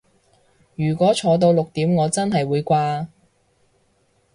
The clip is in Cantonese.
如果坐到六點我真係會瓜